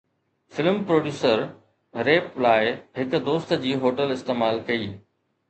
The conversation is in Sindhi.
فلم پروڊيوسر ريپ لاءِ هڪ دوست جي هوٽل استعمال ڪئي